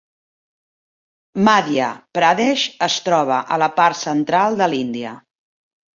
Madhya Pradesh es troba a la part central de l'Índia.